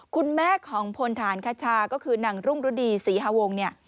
คุณแม่ของผลฐานคชาก็คือหนังรุ่งรุ่นดีศรีฮวงศ์